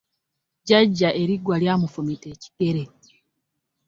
Jjajja eriggwa lyamufumita ekigere.